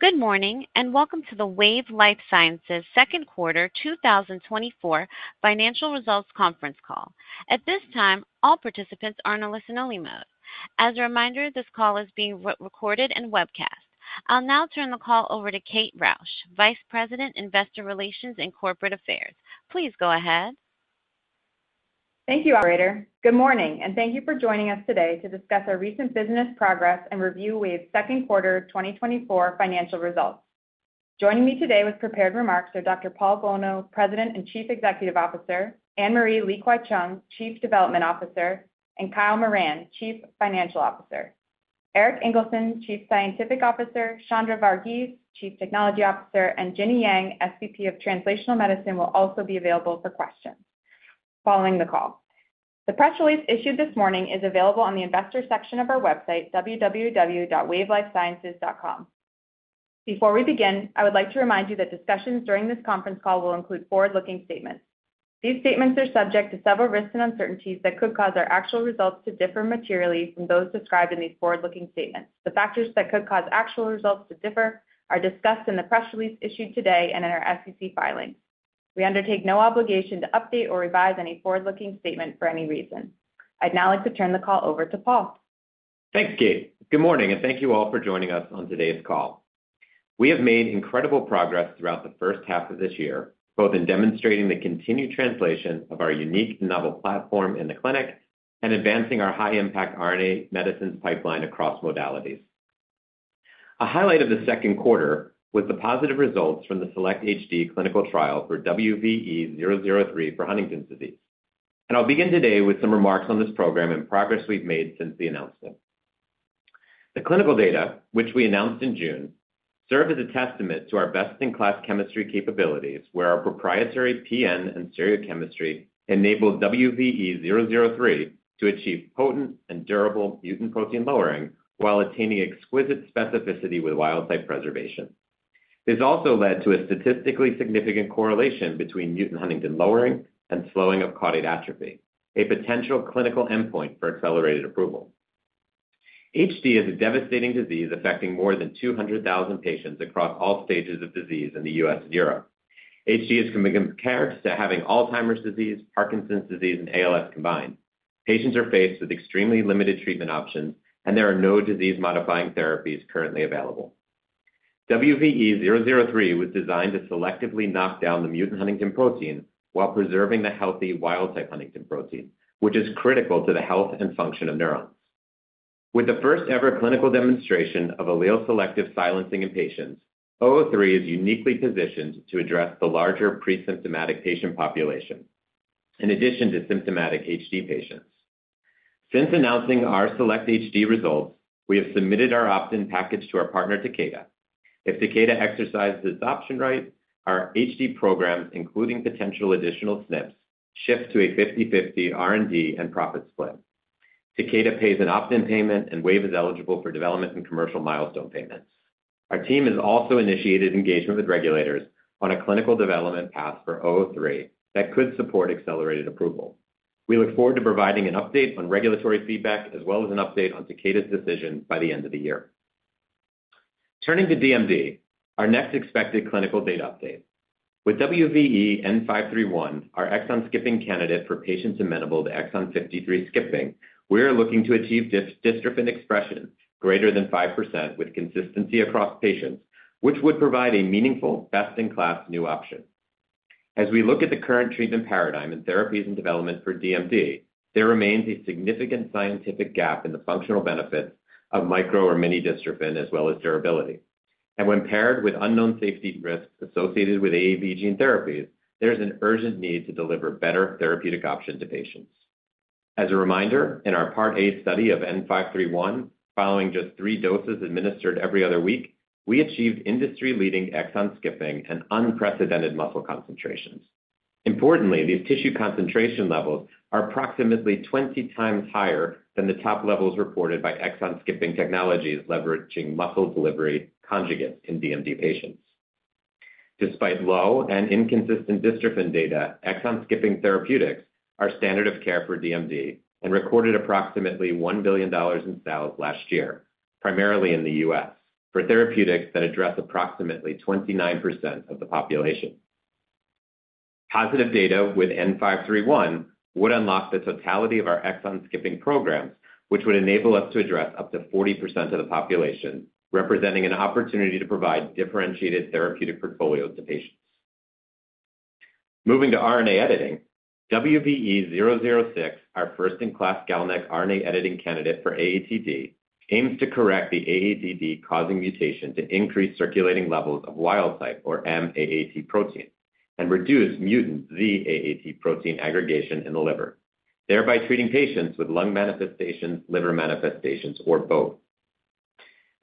Good morning, and welcome to the Wave Life Sciences' second quarter 2024 financial results conference call. At this time, all participants are in a listen-only mode. As a reminder, this call is being re-recorded and webcast. I'll now turn the call over to Kate Rausch, Vice President, Investor Relations and Corporate Affairs. Please go ahead. Thank you, operator. Good morning, and thank you for joining us today to discuss our recent business progress and review Wave's second quarter 2024 financial results. Joining me today with prepared remarks are Dr. Paul Bolno, President and Chief Executive Officer, Anne-Marie Li-Kwai-Cheung, Chief Development Officer, and Kyle Moran, Chief Financial Officer. Erik Ingelsson, Chief Scientific Officer, Chandra Vargeese, Chief Technology Officer, and Ginnie Yang, SVP of Translational Medicine, will also be available for questions following the call. The press release issued this morning is available on the investor section of our website, www.wavelifesciences.com. Before we begin, I would like to remind you that discussions during this conference call will include forward-looking statements. These statements are subject to several risks and uncertainties that could cause our actual results to differ materially from those described in these forward-looking statements. The factors that could cause actual results to differ are discussed in the press release issued today and in our SEC filings. We undertake no obligation to update or revise any forward-looking statement for any reason. I'd now like to turn the call over to Paul. Thanks, Kate. Good morning, and thank you all for joining us on today's call. We have made incredible progress throughout the first half of this year, both in demonstrating the continued translation of our unique novel platform in the clinic and advancing our high-impact RNA medicines pipeline across modalities. A highlight of the second quarter was the positive results from the SELECT-HD clinical trial for WVE-003 for Huntington's disease, and I'll begin today with some remarks on this program and progress we've made since the announcement. The clinical data, which we announced in June, served as a testament to our best-in-class chemistry capabilities, where our proprietary PN and stereochemistry enabled WVE-003 to achieve potent and durable mutant protein lowering while attaining exquisite specificity with wild-type preservation. This also led to a statistically significant correlation between mutant huntingtin lowering and slowing of caudate atrophy, a potential clinical endpoint for accelerated approval. HD is a devastating disease affecting more than 200,000 patients across all stages of disease in the U.S. and Europe. HD is compared to having Alzheimer's disease, Parkinson's disease, and ALS combined. Patients are faced with extremely limited treatment options, and there are no disease-modifying therapies currently available. WVE-003 was designed to selectively knock down the mutant huntingtin protein while preserving the healthy wild-type huntingtin protein, which is critical to the health and function of neurons. With the first-ever clinical demonstration of allele-selective silencing in patients, WVE-003 is uniquely positioned to address the larger presymptomatic patient population in addition to symptomatic HD patients. Since announcing our SELECT-HD results, we have submitted our opt-in package to our partner, Takeda. If Takeda exercises its option right, our HD programs, including potential additional SNPs, shift to a 50/50 R&D and profit split. Takeda pays an opt-in payment, and Wave is eligible for development and commercial milestone payments. Our team has also initiated engagement with regulators on a clinical development path for WVE-003 that could support accelerated approval. We look forward to providing an update on regulatory feedback, as well as an update on Takeda's decision by the end of the year. Turning to DMD, our next expected clinical date update. With WVE-N531, our exon-skipping candidate for patients amenable to exon 53 skipping, we are looking to achieve dystrophin expression greater than 5% with consistency across patients, which would provide a meaningful, best-in-class new option. As we look at the current treatment paradigm and therapies and development for DMD, there remains a significant scientific gap in the functional benefits of micro or mini dystrophin, as well as durability. When paired with unknown safety risks associated with AAV gene therapies, there's an urgent need to deliver better therapeutic options to patients. As a reminder, in our Part A study of WVE-N531, following just three doses administered every other week, we achieved industry-leading exon skipping and unprecedented muscle concentrations. Importantly, these tissue concentration levels are approximately 20x higher than the top levels reported by exon-skipping technologies leveraging muscle delivery conjugates in DMD patients. Despite low and inconsistent dystrophin data, exon-skipping therapeutics are standard of care for DMD and recorded approximately $1 billion in sales last year, primarily in the U.S., for therapeutics that address approximately 29% of the population. Positive data with WVE-N531 would unlock the totality of our exon-skipping programs, which would enable us to address up to 40% of the population, representing an opportunity to provide differentiated therapeutic portfolio to patients. Moving to RNA editing, WVE-006, our first-in-class GalNAc RNA editing candidate for AATD, aims to correct the AATD-causing mutation to increase circulating levels of wild-type M-AAT protein and reduce mutant Z-AAT protein aggregation in the liver, thereby treating patients with lung manifestations, liver manifestations, or both.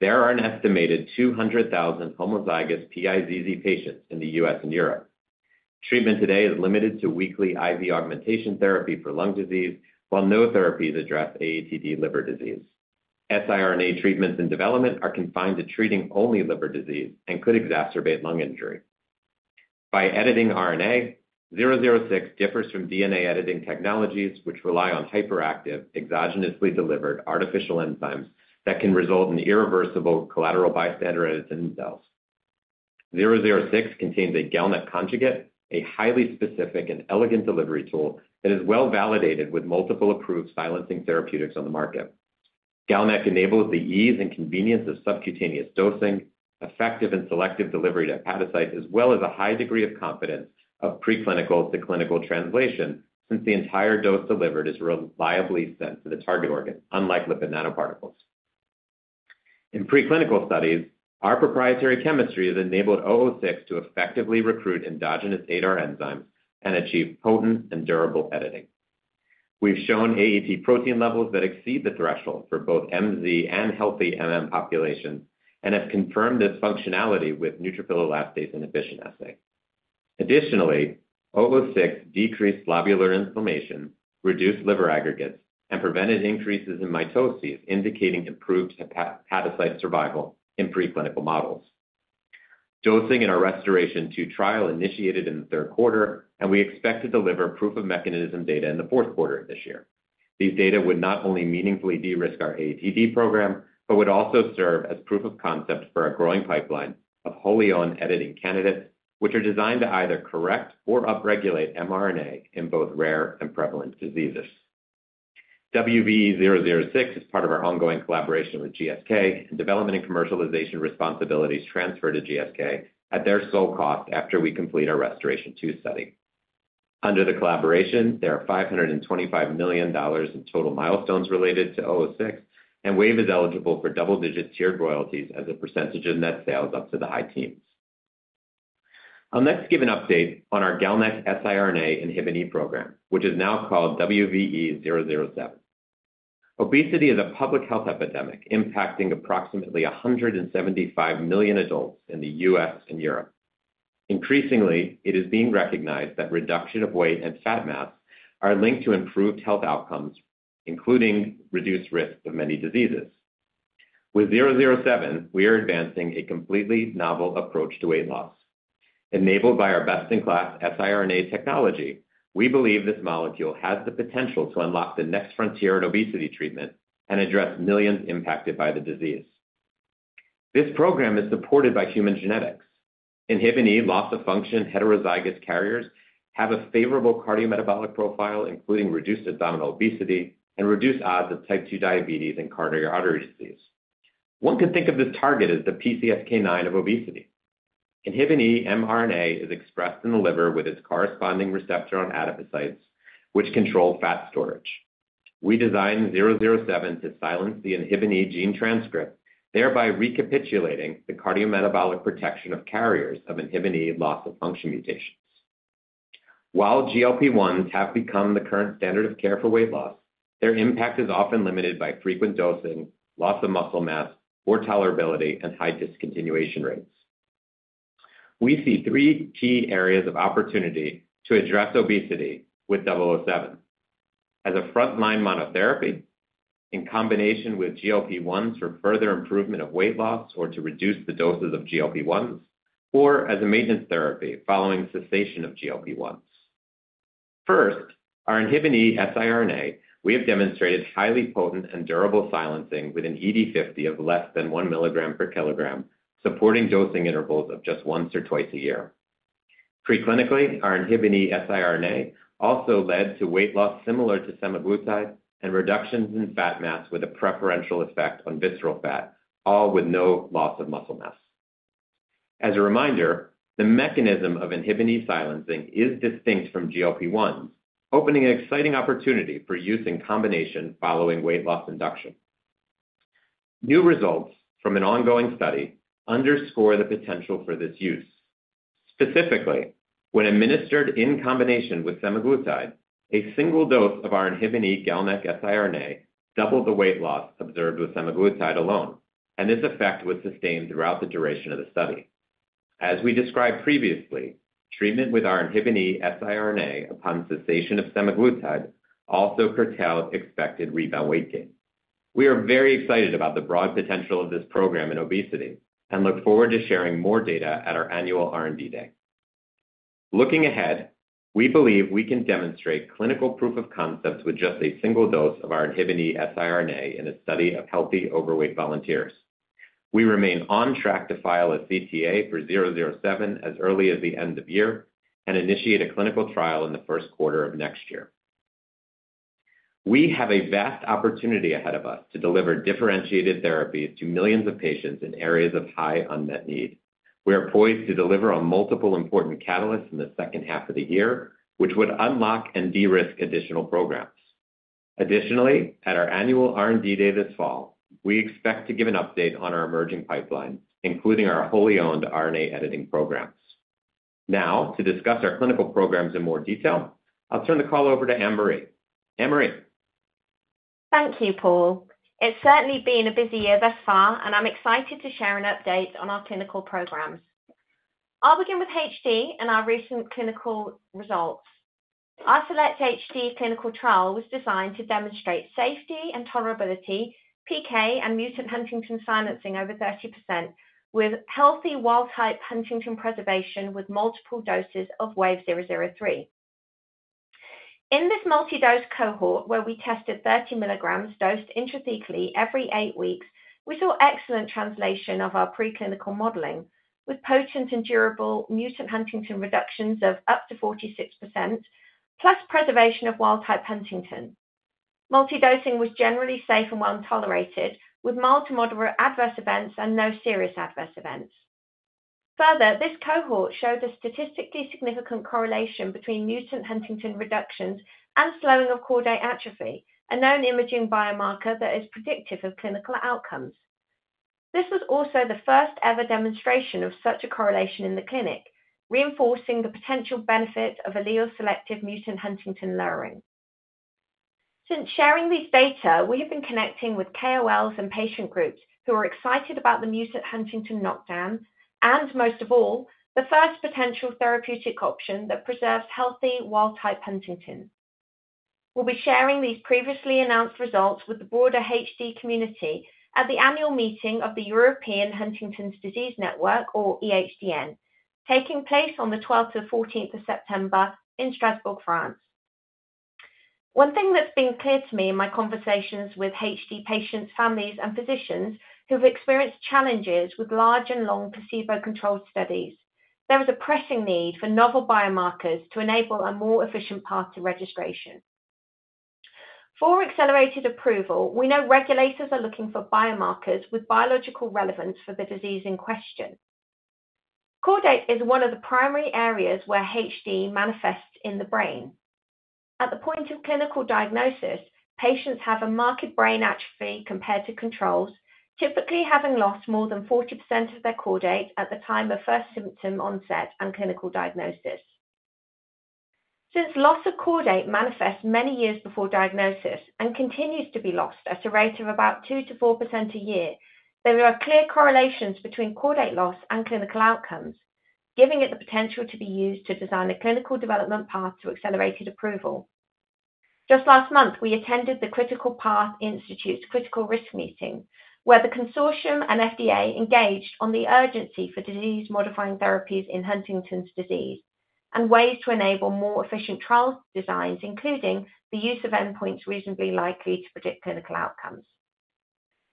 There are an estimated 200,000 homozygous PIZZ patients in the U.S. and Europe. Treatment today is limited to weekly IV augmentation therapy for lung disease, while no therapies address AATD liver disease. siRNA treatments in development are confined to treating only liver disease and could exacerbate lung injury. By editing RNA, 006 differs from DNA editing technologies, which rely on hyperactive, exogenously delivered artificial enzymes that can result in irreversible collateral bystander editing cells. 006 contains a GalNAc conjugate, a highly specific and elegant delivery tool that is well-validated with multiple approved silencing therapeutics on the market. GalNAc enables the ease and convenience of subcutaneous dosing, effective and selective delivery to hepatocytes, as well as a high degree of confidence of preclinical to clinical translation, since the entire dose delivered is reliably sent to the target organ, unlike lipid nanoparticles. In preclinical studies, our proprietary chemistry has enabled 006 to effectively recruit endogenous ADAR enzymes and achieve potent and durable editing. We've shown AAT protein levels that exceed the threshold for both MZ and healthy MM populations, and have confirmed its functionality with neutrophil elastase inhibition assay. Additionally, WVE-006 decreased lobular inflammation, reduced liver aggregates, and prevented increases in mitosis, indicating improved hepatocyte survival in preclinical models. Dosing in our RestorAATion-2 trial initiated in the third quarter, and we expect to deliver proof of mechanism data in the fourth quarter of this year. These data would not only meaningfully de-risk our AATD program, but would also serve as proof of concept for our growing pipeline of wholly owned editing candidates, which are designed to either correct or upregulate mRNA in both rare and prevalent diseases. WVE-006 is part of our ongoing collaboration with GSK, and development and commercialization responsibilities transfer to GSK at their sole cost after we complete our RestorAATion-2 study. Under the collaboration, there are $525 million in total milestones related to 006, and Wave is eligible for double-digit tiered royalties as a percentage of net sales up to the high teens. I'll next give an update on our GalNAc siRNA INHBE program, which is now called WVE-007. Obesity is a public health epidemic impacting approximately 175 million adults in the U.S. and Europe. Increasingly, it is being recognized that reduction of weight and fat mass are linked to improved health outcomes, including reduced risk of many diseases. With 007, we are advancing a completely novel approach to weight loss. Enabled by our best-in-class siRNA technology, we believe this molecule has the potential to unlock the next frontier in obesity treatment and address millions impacted by the disease. This program is supported by human genetics. INHBE loss-of-function heterozygous carriers have a favorable cardiometabolic profile, including reduced abdominal obesity and reduced odds of type 2 diabetes and coronary artery disease. One can think of this target as the PCSK9 of obesity. INHBE mRNA is expressed in the liver with its corresponding receptor on adipocytes, which control fat storage. We designed 007 to silence the INHBE gene transcript, thereby recapitulating the cardiometabolic protection of carriers of INHBE loss-of-function mutations. While GLP-1s have become the current standard of care for weight loss, their impact is often limited by frequent dosing, loss of muscle mass or tolerability, and high discontinuation rates. We see three key areas of opportunity to address obesity with WVE-007, as a frontline monotherapy, in combination with GLP-1s for further improvement of weight loss or to reduce the doses of GLP-1s, or as a maintenance therapy following cessation of GLP-1s. First, our INHBE siRNA, we have demonstrated highly potent and durable silencing with an ED50 of less than 1 mg/kg, supporting dosing intervals of just once or twice a year. Preclinically, our INHBE siRNA also led to weight loss similar to semaglutide and reductions in fat mass with a preferential effect on visceral fat, all with no loss of muscle mass. As a reminder, the mechanism of INHBE silencing is distinct from GLP-1, opening an exciting opportunity for use in combination following weight loss induction. New results from an ongoing study underscore the potential for this use. Specifically, when administered in combination with semaglutide, a single dose of our INHBE GalNAc siRNA doubled the weight loss observed with semaglutide alone, and this effect was sustained throughout the duration of the study. As we described previously, treatment with our INHBE siRNA upon cessation of semaglutide also curtailed expected rebound weight gain. We are very excited about the broad potential of this program in obesity and look forward to sharing more data at our annual R&D Day. Looking ahead, we believe we can demonstrate clinical proof of concept with just a single dose of our INHBE siRNA in a study of healthy, overweight volunteers. We remain on track to file a CTA for 007 as early as the end of year and initiate a clinical trial in the first quarter of next year. We have a vast opportunity ahead of us to deliver differentiated therapies to millions of patients in areas of high unmet need. We are poised to deliver on multiple important catalysts in the second half of the year, which would unlock and de-risk additional programs. Additionally, at our annual R&D Day this fall, we expect to give an update on our emerging pipeline, including our wholly-owned RNA editing programs. Now, to discuss our clinical programs in more detail, I'll turn the call over to Anne-Marie. Anne-Marie? Thank you, Paul. It's certainly been a busy year thus far, and I'm excited to share an update on our clinical programs. I'll begin with HD and our recent clinical results. Our SELECT-HD clinical trial was designed to demonstrate safety and tolerability, PK, and mutant huntingtin silencing over 30%, with healthy wild-type huntingtin preservation with multiple doses of WVE-003. In this multi-dose cohort, where we tested 30 mg dosed intrathecally every eight weeks, we saw excellent translation of our preclinical modeling, with potent and durable mutant huntingtin reductions of up to 46%, plus preservation of wild-type huntingtin. Multi-dosing was generally safe and well-tolerated, with mild to moderate adverse events and no serious adverse events. Further, this cohort showed a statistically significant correlation between mutant huntingtin reductions and slowing of caudate atrophy, a known imaging biomarker that is predictive of clinical outcomes. This was also the first-ever demonstration of such a correlation in the clinic, reinforcing the potential benefit of allele-selective mutant huntingtin lowering. Since sharing these data, we have been connecting with KOLs and patient groups who are excited about the mutant huntingtin knockdown, and most of all, the first potential therapeutic option that preserves healthy wild-type huntingtin. We'll be sharing these previously announced results with the broader HD community at the annual meeting of the European Huntington's Disease Network, or EHDN, taking place on the 12th to 14th of September in Strasbourg, France. One thing that's been clear to me in my conversations with HD patients, families, and physicians who have experienced challenges with large and long placebo-controlled studies, there is a pressing need for novel biomarkers to enable a more efficient path to registration. For accelerated approval, we know regulators are looking for biomarkers with biological relevance for the disease in question. Caudate is one of the primary areas where HD manifests in the brain. At the point of clinical diagnosis, patients have a marked brain atrophy compared to controls, typically having lost more than 40% of their caudate at the time of first symptom onset and clinical diagnosis. Since loss of caudate manifests many years before diagnosis and continues to be lost at a rate of about 2%-4% a year, there are clear correlations between caudate loss and clinical outcomes, giving it the potential to be used to design a clinical development path to accelerated approval. Just last month, we attended the Critical Path Institute's Critical RSC meeting, where the consortium and FDA engaged on the urgency for disease-modifying therapies in Huntington's disease and ways to enable more efficient trial designs, including the use of endpoints reasonably likely to predict clinical outcomes.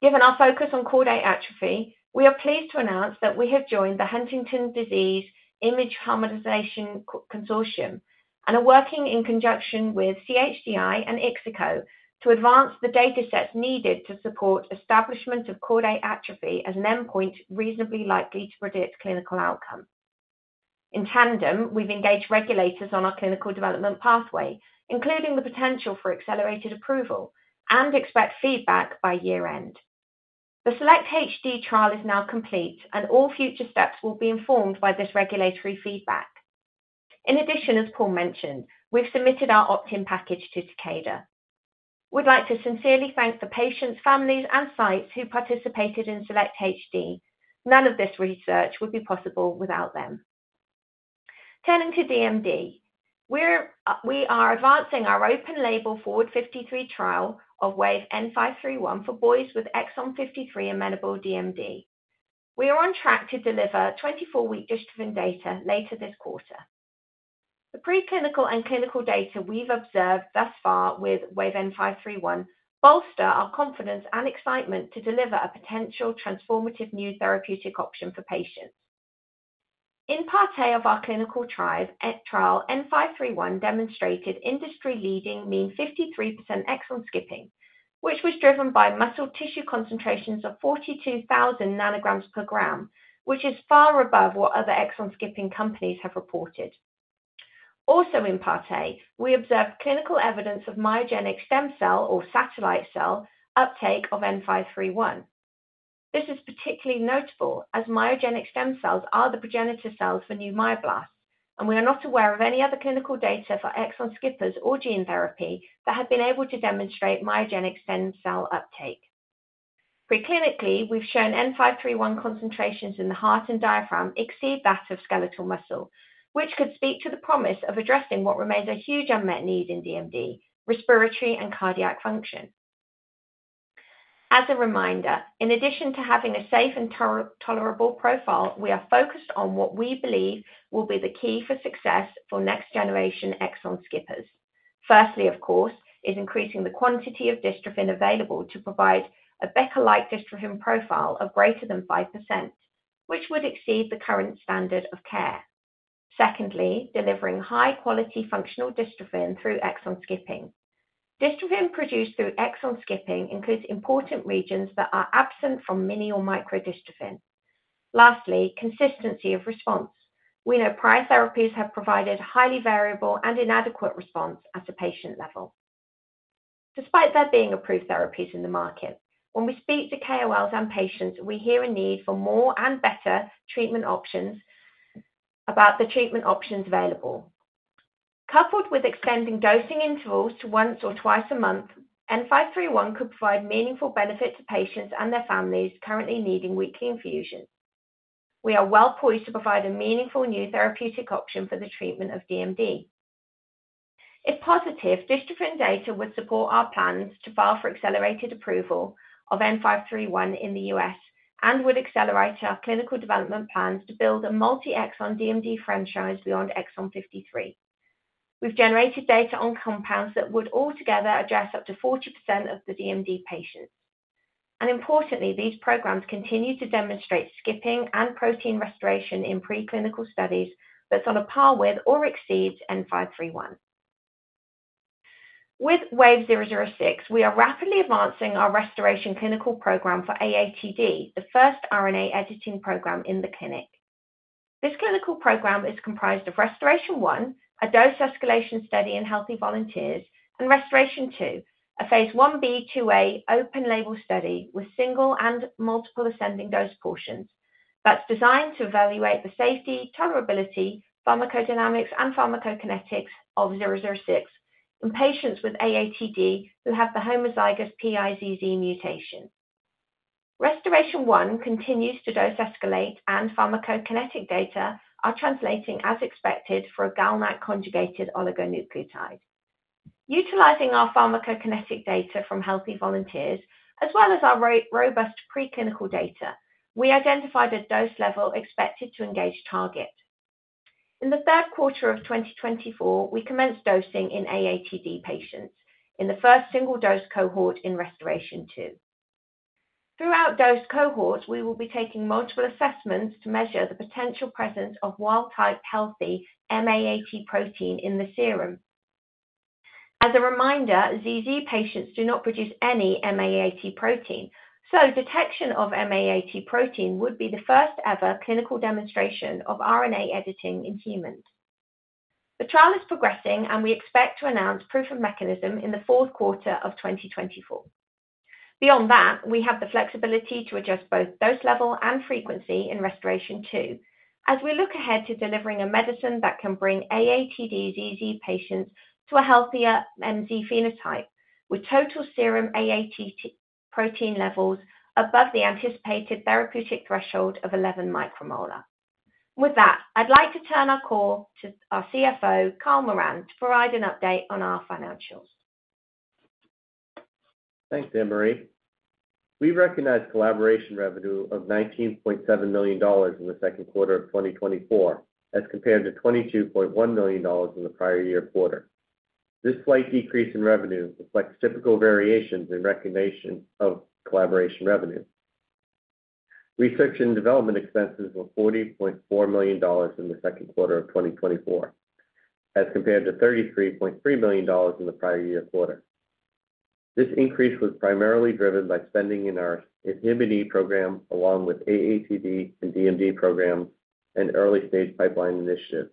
Given our focus on caudate atrophy, we are pleased to announce that we have joined the Huntington's Disease Image Harmonization Consortium and are working in conjunction with CHDI and IXICO to advance the datasets needed to support establishment of caudate atrophy as an endpoint reasonably likely to predict clinical outcome. In tandem, we've engaged regulators on our clinical development pathway, including the potential for accelerated approval, and expect feedback by year-end. The SELECT-HD trial is now complete, and all future steps will be informed by this regulatory feedback. In addition, as Paul mentioned, we've submitted our opt-in package to Takeda. We'd like to sincerely thank the patients, families, and sites who participated in SELECT-HD. None of this research would be possible without them. Turning to DMD, we are advancing our open-label FORWARD-53 trial of WVE-N531 for boys with exon 53 amenable DMD. We are on track to deliver 24-week dystrophin data later this quarter. The preclinical and clinical data we've observed thus far with WVE-N531 bolster our confidence and excitement to deliver a potential transformative new therapeutic option for patients. In Part A of our clinical trial, WVE-N531 demonstrated industry-leading mean 53% exon skipping, which was driven by muscle tissue concentrations of 42,000 ng/g, which is far above what other exon skipping companies have reported. Also in Part A, we observed clinical evidence of myogenic stem cell or satellite cell uptake of WVE-N531. This is particularly notable as myogenic stem cells are the progenitor cells for new myoblasts, and we are not aware of any other clinical data for exon skippers or gene therapy that have been able to demonstrate myogenic stem cell uptake. Preclinically, we've shown N531 concentrations in the heart and diaphragm exceed that of skeletal muscle, which could speak to the promise of addressing what remains a huge unmet need in DMD: respiratory and cardiac function. As a reminder, in addition to having a safe and tolerable profile, we are focused on what we believe will be the key for success for next-generation exon skippers. Firstly, of course, is increasing the quantity of dystrophin available to provide a Becker-like dystrophin profile of greater than 5%, which would exceed the current standard of care. Secondly, delivering high-quality functional dystrophin through exon skipping. Dystrophin produced through exon skipping includes important regions that are absent from mini or micro dystrophin. Lastly, consistency of response. We know prior therapies have provided highly variable and inadequate response at a patient level. Despite there being approved therapies in the market, when we speak to KOLs and patients, we hear a need for more and better treatment options about the treatment options available. Coupled with extending dosing intervals to once or twice a month, WVE-N531 could provide meaningful benefit to patients and their families currently needing weekly infusions. We are well poised to provide a meaningful new therapeutic option for the treatment of DMD. If positive, dystrophin data would support our plans to file for accelerated approval of WVE-N531 in the U.S., and would accelerate our clinical development plans to build a multi-exon DMD franchise beyond exon 53. We've generated data on compounds that would altogether address up to 40% of the DMD patients. Importantly, these programs continue to demonstrate skipping and protein restoration in preclinical studies, that's on a par with or exceeds WVE-N531. With WVE-006, we are rapidly advancing our restoration clinical program for AATD, the first RNA editing program in the clinic. This clinical program is comprised of RestorAATion-1, a dose escalation study in healthy volunteers, and RestorAATion-2, a phase 1B/2A open label study with single and multiple ascending dose portions, that's designed to evaluate the safety, tolerability, pharmacodynamics, and pharmacokinetics of WVE-006 in patients with AATD who have the homozygous PIZZ mutation. RestorAATion-1 continues to dose escalate, and pharmacokinetic data are translating as expected for a GalNAc-conjugated oligonucleotide. Utilizing our pharmacokinetic data from healthy volunteers, as well as our robust preclinical data, we identified a dose level expected to engage target. In the third quarter of 2024, we commenced dosing in AATD patients in the first single dose cohort in RestorAATion-2. Throughout dose cohorts, we will be taking multiple assessments to measure the potential presence of wild-type healthy M-AAT protein in the serum. As a reminder, ZZ patients do not produce any M-AAT protein, so detection of M-AAT protein would be the first-ever clinical demonstration of RNA editing in humans. The trial is progressing, and we expect to announce proof of mechanism in the fourth quarter of 2024. Beyond that, we have the flexibility to adjust both dose level and frequency in RestorAATion-2. As we look ahead to delivering a medicine that can bring AATD ZZ patients to a healthier MZ phenotype, with total serum AAT protein levels above the anticipated therapeutic threshold of 11 micromolar. With that, I'd like to turn our call to our CFO, Kyle Moran, to provide an update on our financials. Thanks, Anne-Marie. We recognize collaboration revenue of $19.7 million in the second quarter of 2024, as compared to $22.1 million in the prior year quarter. This slight decrease in revenue reflects typical variations in recognition of collaboration revenue. Research and development expenses were $40.4 million in the second quarter of 2024, as compared to $33.3 million in the prior year quarter. This increase was primarily driven by spending in our INHBE program, along with AATD and DMD programs and early-stage pipeline initiatives.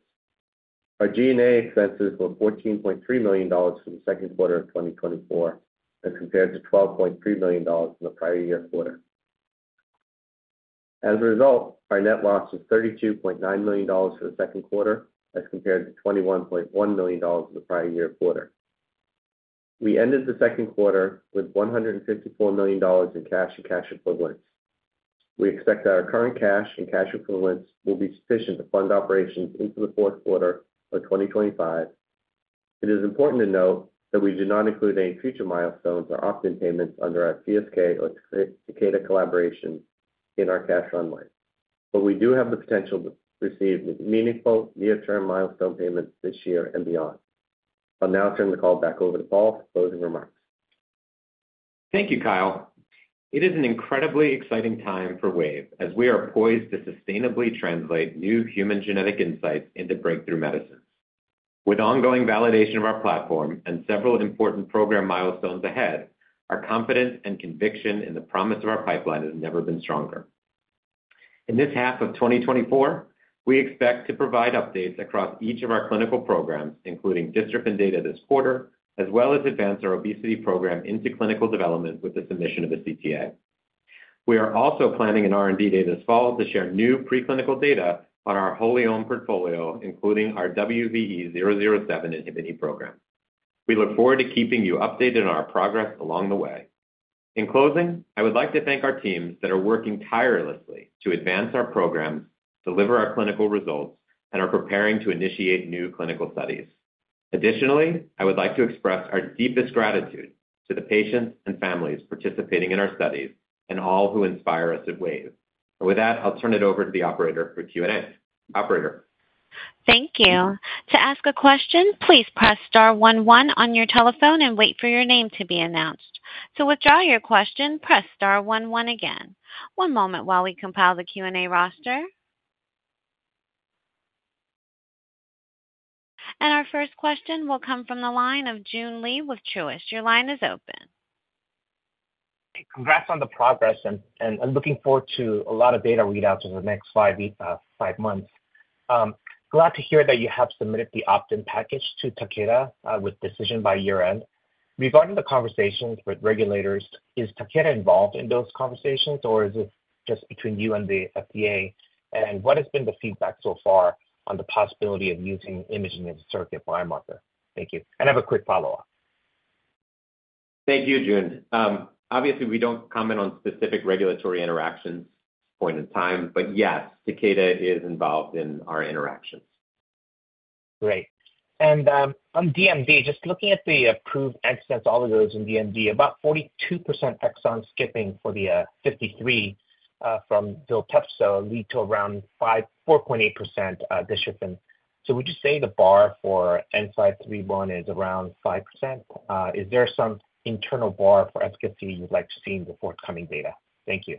Our G&A expenses were $14.3 million in the second quarter of 2024, as compared to $12.3 million in the prior year quarter. As a result, our net loss was $32.9 million for the second quarter, as compared to $21.1 million in the prior year quarter. We ended the second quarter with $154 million in cash and cash equivalents. We expect that our current cash and cash equivalents will be sufficient to fund operations into the fourth quarter of 2025. It is important to note that we do not include any future milestones or opt-in payments under our GSK or Takeda collaboration in our cash runway, but we do have the potential to receive meaningful near-term milestone payments this year and beyond. I'll now turn the call back over to Paul for closing remarks. Thank you, Kyle. It is an incredibly exciting time for Wave, as we are poised to sustainably translate new human genetic insights into breakthrough medicines. With ongoing validation of our platform and several important program milestones ahead, our confidence and conviction in the promise of our pipeline has never been stronger. In this half of 2024, we expect to provide updates across each of our clinical programs, including dystrophin data this quarter, as well as advance our obesity program into clinical development with the submission of a CTA. We are also planning an R&D Day this fall to share new preclinical data on our wholly owned portfolio, including our WVE-007 INHBE program. We look forward to keeping you updated on our progress along the way. In closing, I would like to thank our teams that are working tirelessly to advance our programs, deliver our clinical results, and are preparing to initiate new clinical studies. Additionally, I would like to express our deepest gratitude to the patients and families participating in our studies and all who inspire us at Wave. And with that, I'll turn it over to the operator for Q&A. Operator? Thank you. To ask a question, please press star one one on your telephone and wait for your name to be announced. To withdraw your question, press star one one again. One moment while we compile the Q&A roster. Our first question will come from the line of Joon Lee with Truist. Your line is open. Congrats on the progress, and I'm looking forward to a lot of data readouts in the next five weeks, five months. Glad to hear that you have submitted the opt-in package to Takeda, with decision by year-end. Regarding the conversations with regulators, is Takeda involved in those conversations, or is it just between you and the FDA? And what has been the feedback so far on the possibility of using imaging as a surrogate biomarker? Thank you. I have a quick follow-up. Thank you, June. Obviously, we don't comment on specific regulatory interactions point in time, but yes, Takeda is involved in our interactions. Great. On DMD, just looking at the approved exons all those in DMD, about 42% exon skipping for the 53, from Zolgensma lead to around 5%, 4.8% dystrophin. So would you say the bar for WVE-N531 is around 5%? Is there some internal bar for efficacy you'd like to see in the forthcoming data? Thank you.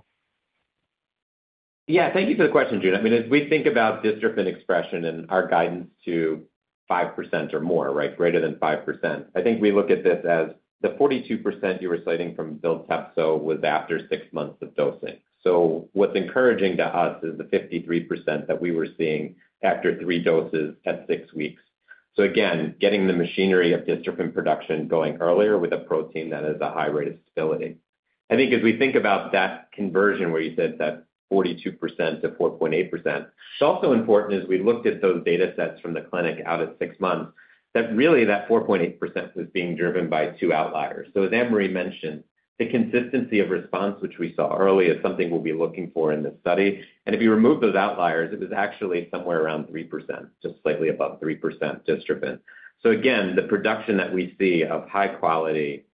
Yeah, thank you for the question, Joon. I mean, as we think about dystrophin expression and our guidance to 5% or more, right, greater than 5%, I think we look at this as the 42% you were citing from Zolgensma was after six months of dosing. So what's encouraging to us is the 53% that we were seeing after three doses at 6 weeks. So again, getting the machinery of dystrophin production going earlier with a protein that has a high rate of stability. I think as we think about that conversion where you said that 42% to 4.8%, it's also important as we looked at those data sets from the clinic out at six months, that really that 4.8% was being driven by two outliers. So as Anne-Marie mentioned, the consistency of response, which we saw early, is something we'll be looking for in this study. And if you remove those outliers, it is actually somewhere around 3%, just slightly above 3% dystrophin. So again, the production that we see of high quality,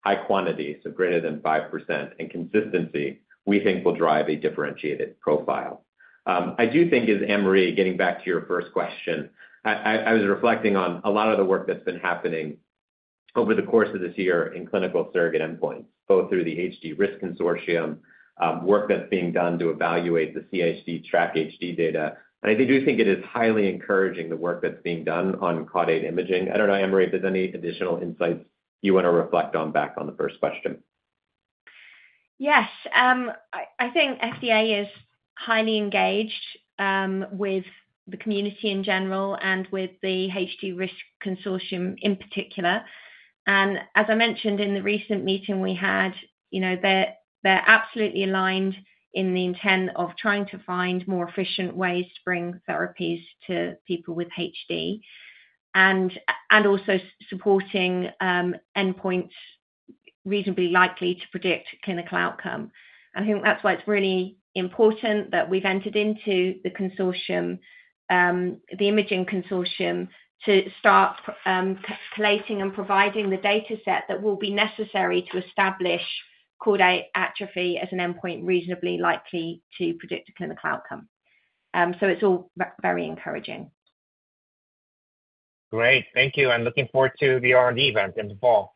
high quantity, so greater than 5%, and consistency, we think will drive a differentiated profile. I do think, as Anne-Marie, getting back to your first question, I was reflecting on a lot of the work that's been happening over the course of this year in clinical surrogate endpoints, both through the HD-RSC consortium, work that's being done to evaluate the CHDI TRACK-HD data. And I do think it is highly encouraging the work that's being done on caudate imaging. I don't know, Anne-Marie, if there's any additional insights you want to reflect on back on the first question. Yes, I think FDA is highly engaged with the community in general and with the HD-RSC consortium in particular. And as I mentioned in the recent meeting we had, you know, they're absolutely aligned in the intent of trying to find more efficient ways to bring therapies to people with HD, and also supporting endpoints reasonably likely to predict clinical outcome. I think that's why it's really important that we've entered into the consortium, the imaging consortium, to start collating and providing the data set that will be necessary to establish caudate atrophy as an endpoint reasonably likely to predict a clinical outcome. So it's all very encouraging. Great. Thank you, and looking forward to the R&D event in the fall.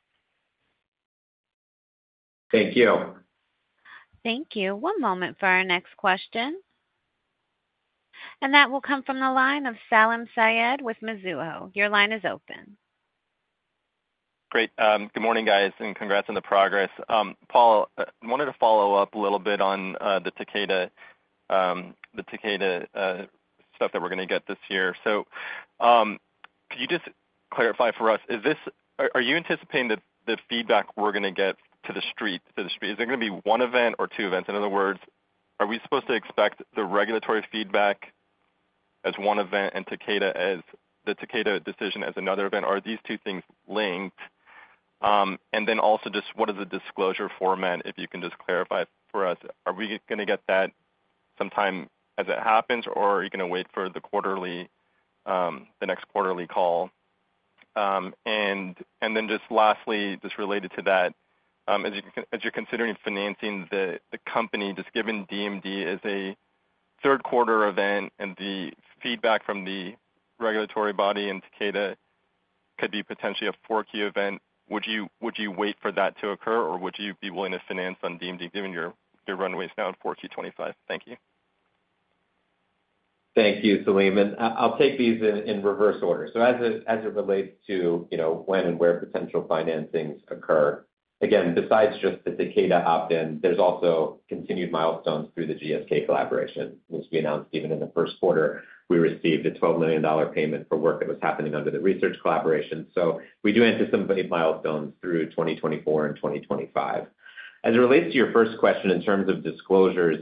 Thank you. Thank you. One moment for our next question. That will come from the line of Salim Syed with Mizuho. Your line is open. Great. Good morning, guys, and congrats on the progress. Paul, I wanted to follow up a little bit on the Takeda stuff that we're going to get this year. So, could you just clarify for us, are you anticipating that the feedback we're going to get to the street is it going to be one event or two events? In other words, are we supposed to expect the regulatory feedback as one event and the Takeda decision as another event? Are these two things linked? And then also just what is the disclosure format, if you can just clarify for us, are we going to get that sometime as it happens, or are you going to wait for the next quarterly call? And then just lastly, just related to that, as you're considering financing the company, just given DMD as a third quarter event and the feedback from the regulatory body in Takeda could be potentially a Q4 event, would you wait for that to occur, or would you be willing to finance on DMD given your runway is now in Q4 2025? Thank you. Thank you, Salim. I'll take these in reverse order. So as it relates to, you know, when and where potential financings occur, again, besides just the Takeda opt-in, there's also continued milestones through the GSK collaboration, which we announced even in the first quarter. We received a $12 million payment for work that was happening under the research collaboration. So we do anticipate milestones through 2024 and 2025. As it relates to your first question in terms of disclosures,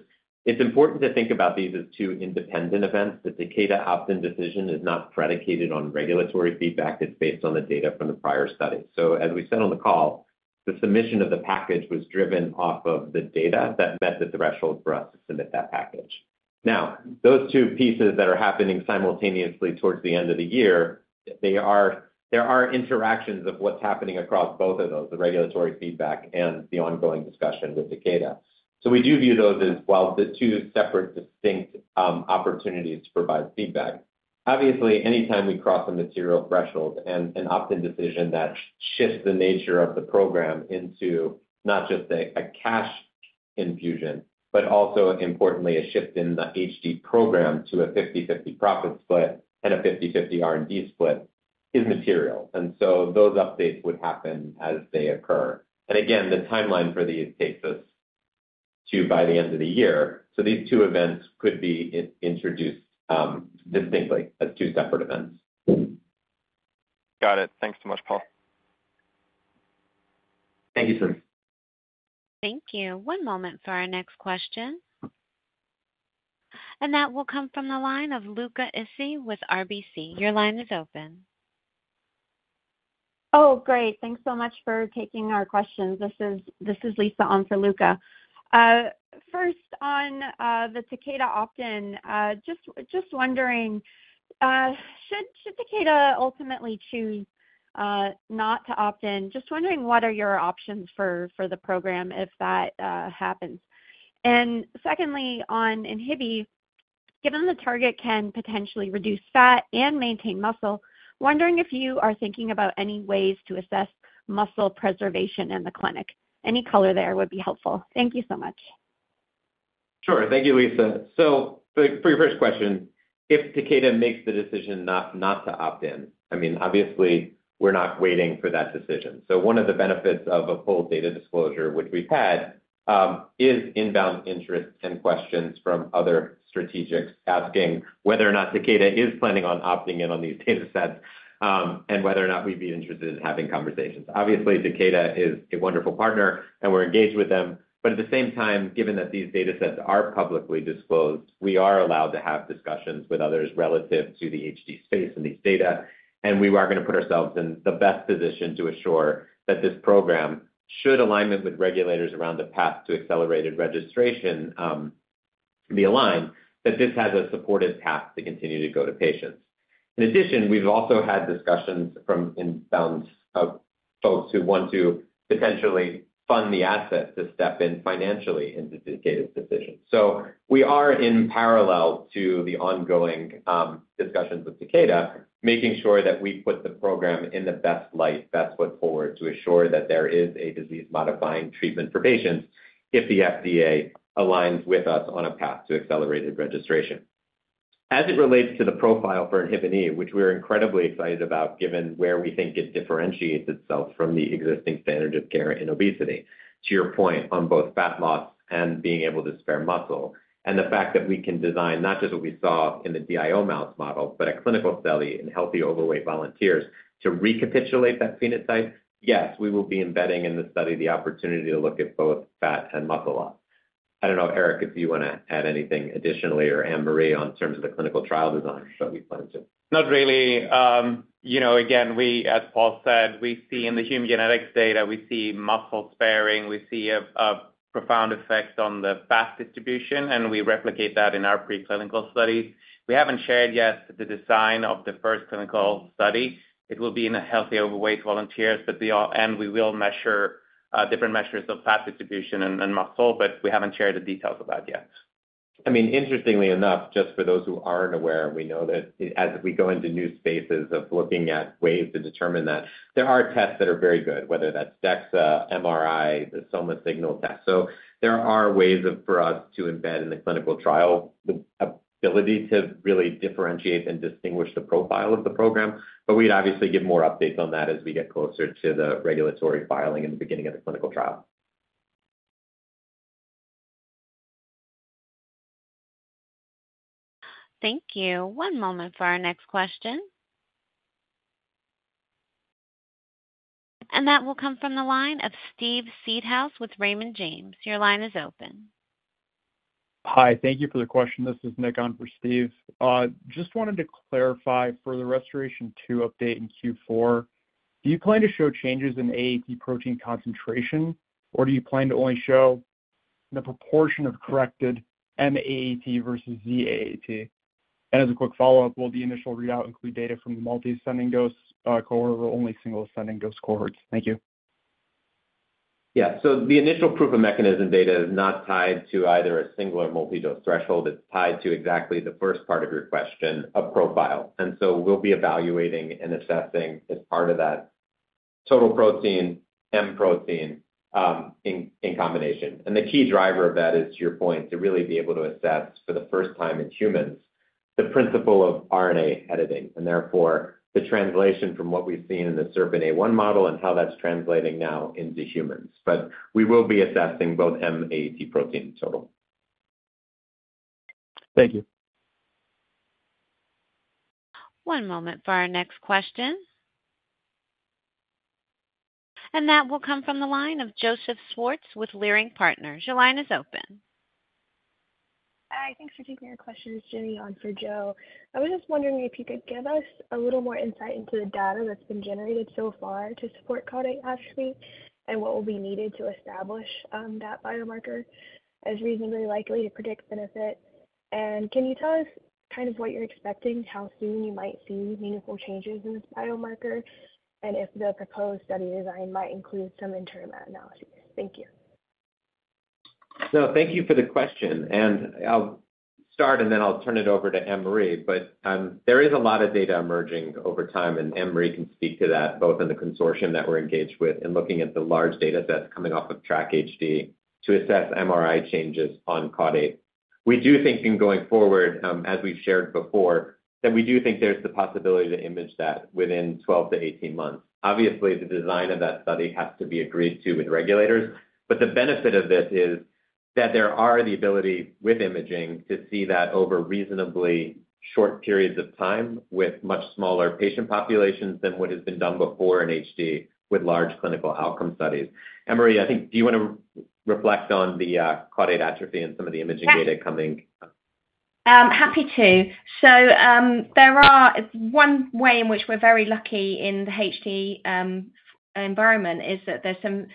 it's important to think about these as two independent events. The Takeda opt-in decision is not predicated on regulatory feedback. It's based on the data from the prior study. So as we said on the call, the submission of the package was driven off of the data that met the threshold for us to submit that package. Now, those two pieces that are happening simultaneously towards the end of the year, they are, there are interactions of what's happening across both of those, the regulatory feedback and the ongoing discussion with Takeda. So we do view those as, while the two separate distinct, opportunities to provide feedback. Obviously, anytime we cross a material threshold and an opt-in decision that shifts the nature of the program into not just a, a cash infusion, but also importantly, a shift in the HD program to a 50/50 profit split and a 50/50 R&D split is material. And so those updates would happen as they occur. And again, the timeline for these takes us to by the end of the year. So these two events could be introduced distinctly as two separate events. Got it. Thanks so much, Paul. Thank you, Salim. Thank you. One moment for our next question. That will come from the line of Luca Issi with RBC. Your line is open. Oh, great! Thanks so much for taking our questions. This is Lisa on for Luca. First on the Takeda opt-in, just wondering, should Takeda ultimately choose not to opt-in, just wondering what are your options for the program if that happens? And secondly, on inhibin, given the target can potentially reduce fat and maintain muscle, wondering if you are thinking about any ways to assess muscle preservation in the clinic. Any color there would be helpful. Thank you so much. Sure. Thank you, Lisa. So for your first question, if Takeda makes the decision not to opt in, I mean, obviously, we're not waiting for that decision. So one of the benefits of a full data disclosure, which we've had, is inbound interest and questions from other strategics asking whether or not Takeda is planning on opting in on these data sets, and whether or not we'd be interested in having conversations. Obviously, Takeda is a wonderful partner and we're engaged with them, but at the same time, given that these data sets are publicly disclosed, we are allowed to have discussions with others relative to the HD space and these data. We are gonna put ourselves in the best position to assure that this program, should alignment with regulators around the path to accelerated registration, be aligned, that this has a supported path to continue to go to patients. In addition, we've also had discussions from inbounds of folks who want to potentially fund the asset to step in financially into Takeda's decision. We are in parallel to the ongoing, discussions with Takeda, making sure that we put the program in the best light, best foot forward, to assure that there is a disease-modifying treatment for patients if the FDA aligns with us on a path to accelerated registration. As it relates to the profile for INHBE, which we're incredibly excited about, given where we think it differentiates itself from the existing standard of care in obesity, to your point on both fat loss and being able to spare muscle, and the fact that we can design not just what we saw in the DIO mouse model, but a clinical study in healthy, overweight volunteers to recapitulate that phenotype. Yes, we will be embedding in the study the opportunity to look at both fat and muscle loss. I don't know, Erik, if you wanna add anything additionally or Anne-Marie, in terms of the clinical trial design, so we plan to. Not really. You know, again, we, as Paul said, we see in the human genetics data, we see a profound effect on the fat distribution, and we replicate that in our preclinical studies. We haven't shared yet the design of the first clinical study. It will be in healthy, overweight volunteers, and we will measure different measures of fat distribution and muscle, but we haven't shared the details of that yet. I mean, interestingly enough, just for those who aren't aware, we know that as we go into new spaces of looking at ways to determine that, there are tests that are very good, whether that's DEXA, MRI, the SomaSignal test. So there are ways of, for us to embed in the clinical trial, the ability to really differentiate and distinguish the profile of the program. But we'd obviously give more updates on that as we get closer to the regulatory filing in the beginning of the clinical trial. Thank you. One moment for our next question. That will come from the line of Steve Seedhouse with Raymond James. Your line is open. Hi, thank you for the question. This is Nick on for Steve. Just wanted to clarify, for the RestorAATion-2 update in Q4, do you plan to show changes in AAT protein concentration, or do you plan to only show the proportion of corrected M-AAT versus ZAAT? And as a quick follow-up, will the initial readout include data from the multi-ascending dose cohort, or only single ascending dose cohorts? Thank you. Yeah. So the initial proof of mechanism data is not tied to either a single or multi-dose threshold. It's tied to exactly the first part of your question, a profile. And so we'll be evaluating and assessing, as part of that, total protein, M protein, in combination. And the key driver of that is, to your point, to really be able to assess, for the first time in humans, the principle of RNA editing, and therefore, the translation from what we've seen in the SERPINA1 model and how that's translating now into humans. But we will be assessing both M-AAT protein in total. Thank you. One moment for our next question. That will come from the line of Joseph Schwartz with Leerink Partners. Your line is open. Hi, thanks for taking our question. This is Jenny on for Joe. I was just wondering if you could give us a little more insight into the data that's been generated so far to support caudate atrophy, and what will be needed to establish that biomarker as reasonably likely to predict benefit. And can you tell us kind of what you're expecting, how soon you might see meaningful changes in this biomarker, and if the proposed study design might include some interim analyses? Thank you. So thank you for the question, and I'll start, and then I'll turn it over to Anne-Marie. But, there is a lot of data emerging over time, and Anne-Marie can speak to that, both in the consortium that we're engaged with and looking at the large datasets coming off of TRACK-HD to assess MRI changes on caudate. We do think in going forward, as we've shared before, that we do think there's the possibility to image that within 12-18 months. Obviously, the design of that study has to be agreed to with regulators, but the benefit of this is that there are the ability with imaging to see that over reasonably short periods of time with much smaller patient populations than what has been done before in HD with large clinical outcome studies. Anne-Marie, I think, do you want to reflect on the caudate atrophy and some of the imaging data coming? Happy to. So, there are one way in which we're very lucky in the HD environment is that there's some,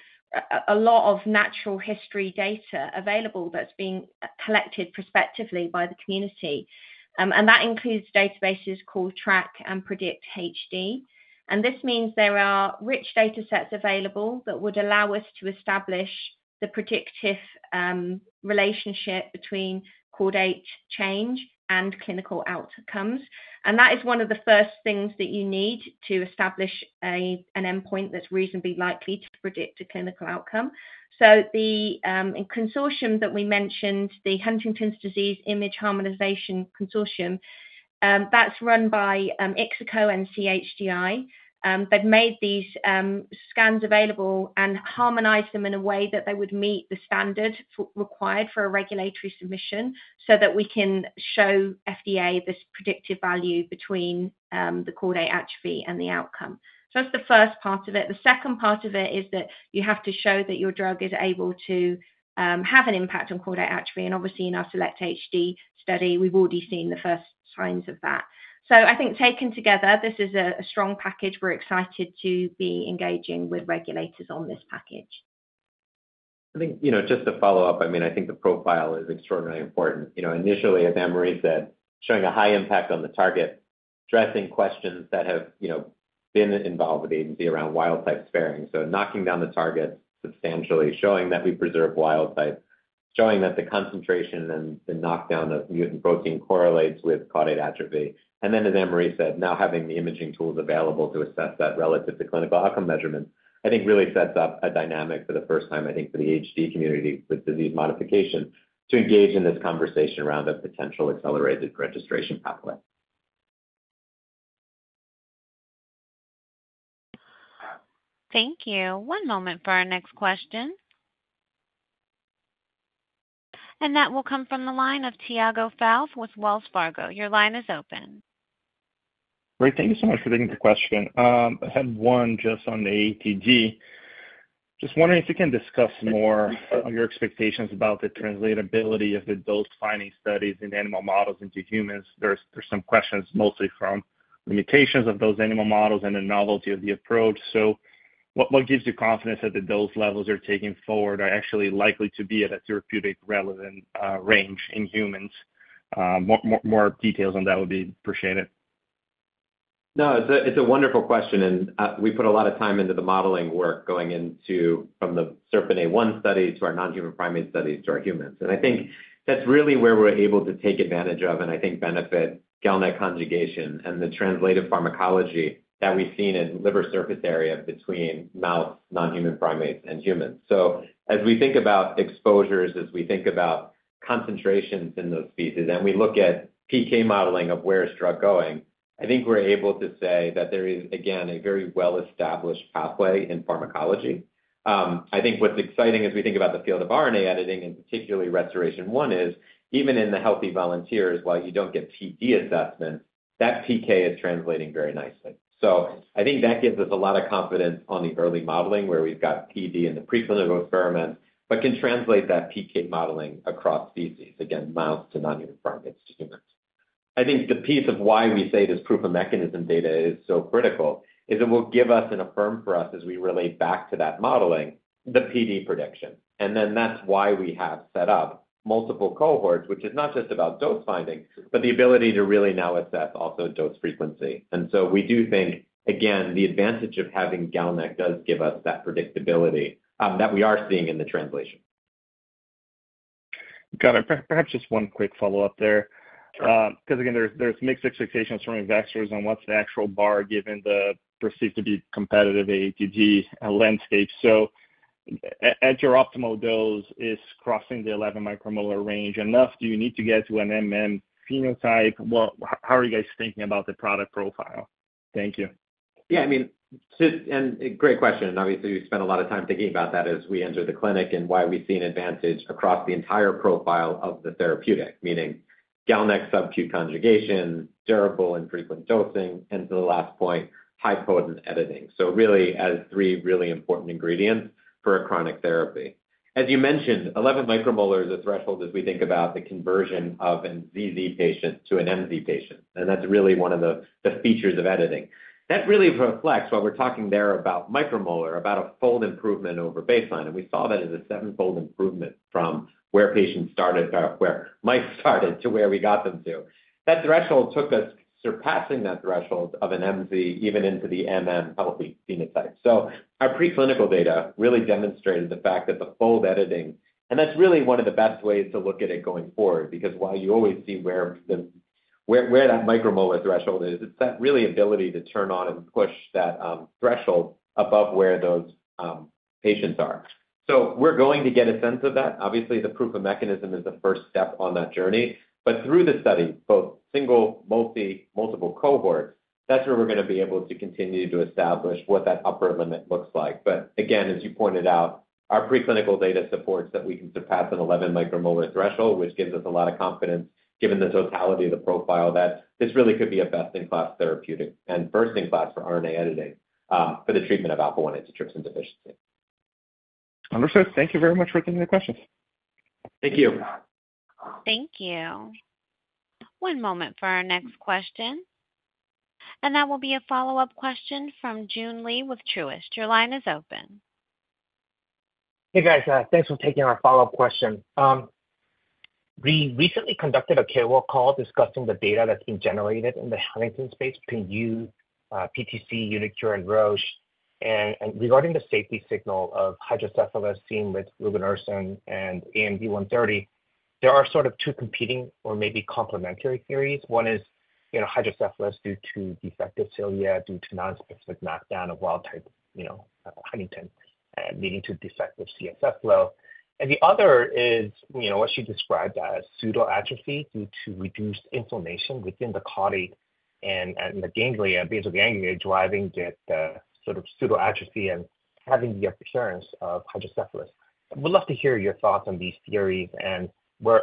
a lot of natural history data available that's being collected prospectively by the community. And that includes databases called TRACK and PREDICT-HD. And this means there are rich data sets available that would allow us to establish the predictive relationship between caudate change and clinical outcomes. And that is one of the first things that you need to establish an endpoint that's reasonably likely to predict a clinical outcome. So the consortium that we mentioned, the Huntington's Disease Image Harmonization Consortium, that's run by Ixeko and CHDI. They've made these scans available and harmonized them in a way that they would meet the standard required for a regulatory submission, so that we can show FDA this predictive value between the caudate atrophy and the outcome. So that's the first part of it. The second part of it is that you have to show that your drug is able to have an impact on caudate atrophy, and obviously, in our SELECT-HD study, we've already seen the first signs of that. So I think taken together, this is a strong package. We're excited to be engaging with regulators on this package. I think, you know, just to follow up, I mean, I think the profile is extraordinarily important. You know, initially, as Anne-Marie said, showing a high impact on the target, addressing questions that have, you know, been involved with the agency around wild type sparing. So knocking down the target substantially, showing that we preserve wild type, showing that the concentration and the knockdown of mutant protein correlates with caudate atrophy. And then, as Anne-Marie said, now having the imaging tools available to assess that relative to clinical outcome measurements, I think really sets up a dynamic for the first time, I think, for the HD community with disease modification, to engage in this conversation around a potential accelerated registration pathway. Thank you. One moment for our next question. That will come from the line of Tiago Fauth with Wells Fargo. Your line is open. Great. Thank you so much for taking the question. I had one just on the ATG. Just wondering if you can discuss more on your expectations about the translatability of the dose finding studies in animal models into humans. There's some questions, mostly from limitations of those animal models and the novelty of the approach. So what gives you confidence that the dose levels you're taking forward are actually likely to be at a therapeutic relevant range in humans? More details on that would be appreciated. No, it's a, it's a wonderful question, and we put a lot of time into the modeling work going into from the SERPINA1 study to our non-human primate studies, to our humans. And I think that's really where we're able to take advantage of, and I think benefit GalNAc conjugation and the translated pharmacology that we've seen in liver surface area between mouse, non-human primates, and humans. So as we think about exposures, as we think about concentrations in those species, and we look at PK modeling of where is drug going, I think we're able to say that there is, again, a very well-established pathway in pharmacology. I think what's exciting as we think about the field of RNA editing, and particularly RestorAATion-1 is, even in the healthy volunteers, while you don't get PD assessments, that PK is translating very nicely. So I think that gives us a lot of confidence on the early modeling, where we've got PD in the preclinical experiment, but can translate that PK modeling across species. Again, mouse to non-human primates to humans. I think the piece of why we say this proof of mechanism data is so critical is it will give us and affirm for us as we relate back to that modeling, the PD prediction. And then that's why we have set up multiple cohorts, which is not just about dose finding, but the ability to really now assess also dose frequency. And so we do think, again, the advantage of having GalNAc does give us that predictability, that we are seeing in the translation. Got it. Perhaps just one quick follow-up there. Sure. 'Cause again, there's, there's mixed expectations from investors on what's the actual bar, given the perceived to be competitive AAT landscape. So at your optimal dose, is crossing the 11 micromolar range enough? Do you need to get to an MM phenotype? Well, how are you guys thinking about the product profile? Thank you. Yeah, I mean, and great question. Obviously, we've spent a lot of time thinking about that as we enter the clinic and why we see an advantage across the entire profile of the therapeutic, meaning GalNAc sub-Q conjugation, durable and frequent dosing, and to the last point, high-potent editing. So really as three really important ingredients for a chronic therapy. As you mentioned, 11 micromolar is a threshold as we think about the conversion of a ZZ patient to an MZ patient, and that's really one of the features of editing. That really reflects what we're talking there about micromolar, about a fold improvement over baseline, and we saw that as a sevenfold improvement from where patients started, or where mice started to where we got them to. That threshold took us surpassing that threshold of an MZ, even into the MM healthy phenotype. So our preclinical data really demonstrated the fact that the fold editing. And that's really one of the best ways to look at it going forward, because while you always see where that micromolar threshold is, it's that really ability to turn on and push that threshold above where those patients are. So we're going to get a sense of that. Obviously, the proof of mechanism is the first step on that journey. But through the study, both single, multiple cohorts, that's where we're gonna be able to continue to establish what that upper limit looks like. But again, as you pointed out, our preclinical data supports that we can surpass an 11 micromolar threshold, which gives us a lot of confidence, given the totality of the profile, that this really could be a best-in-class therapeutic and first-in-class for RNA editing, for the treatment of alpha-1 antitrypsin deficiency. Understood. Thank you very much for taking the questions. Thank you. Thank you. One moment for our next question. That will be a follow-up question from Joon Lee with Truist. Your line is open. Hey, guys, thanks for taking our follow-up question. We recently conducted a KOL call discussing the data that's been generated in the Huntington space between you, PTC, uniQure, and Roche. And, regarding the safety signal of hydrocephalus seen with tominersen and AMT-130, there are sort of two competing or maybe complementary theories. One is, you know, hydrocephalus due to defective cilia, due to nonspecific knockdown of wild type, you know, Huntington, leading to defective CSF flow. And the other is, you know, what you described as pseudoatrophy due to reduced inflammation within the caudate and the basal ganglia, driving the sort of pseudoatrophy and having the occurrence of hydrocephalus. Would love to hear your thoughts on these theories and where...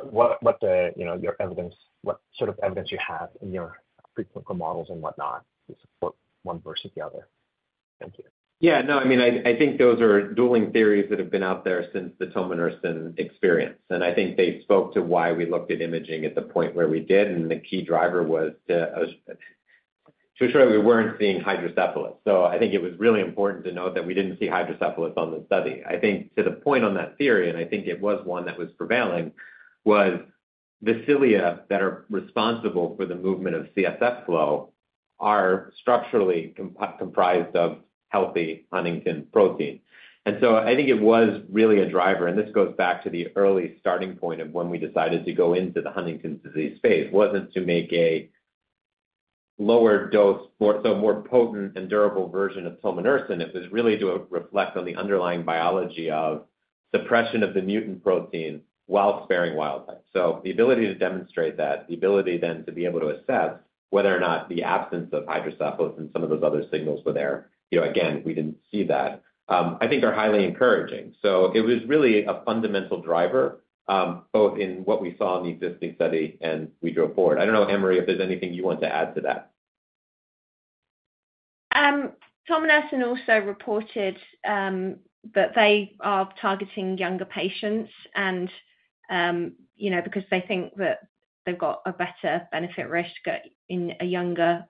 You know, your evidence, what sort of evidence you have in your preclinical models and whatnot to support one versus the other? Thank you. Yeah, no, I mean, I, I think those are dueling theories that have been out there since the tominersen experience, and I think they spoke to why we looked at imaging at the point where we did, and the key driver was to ensure we weren't seeing hydrocephalus. So I think it was really important to note that we didn't see hydrocephalus on the study. I think to the point on that theory, and I think it was one that was prevailing, was the cilia that are responsible for the movement of CSF flow are structurally comprised of healthy Huntington protein. And so I think it was really a driver, and this goes back to the early starting point of when we decided to go into the Huntington's disease space. It wasn't to make a lower dose, more, so a more potent and durable version of tominersen. It was really to reflect on the underlying biology of suppression of the mutant protein while sparing wild type. So the ability to demonstrate that, the ability then to be able to assess whether or not the absence of hydrocephalus and some of those other signals were there, you know, again, we didn't see that, I think are highly encouraging. So it was really a fundamental driver, both in what we saw in the existing study and we drove forward. I don't know, Anne-Marie, if there's anything you want to add to that. Tominersen also reported that they are targeting younger patients and, you know, because they think that they've got a better benefit-risk in a younger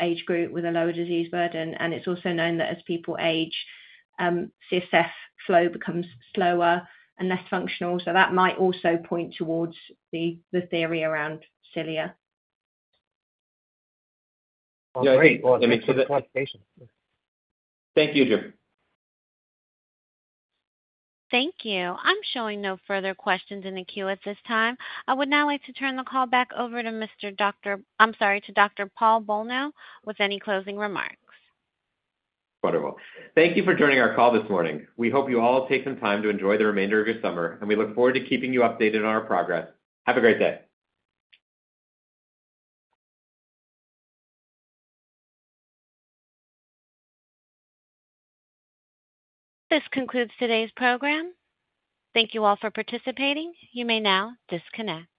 age group with a lower disease burden. And it's also known that as people age, CSF flow becomes slower and less functional, so that might also point towards the theory around cilia. Yeah, I mean, so that- Great. Well, thank you for the clarification. Thank you, Joon. Thank you. I'm showing no further questions in the queue at this time. I would now like to turn the call back to Dr. Paul Bolno with any closing remarks. Wonderful. Thank you for joining our call this morning. We hope you all take some time to enjoy the remainder of your summer, and we look forward to keeping you updated on our progress. Have a great day. This concludes today's program. Thank you all for participating. You may now disconnect.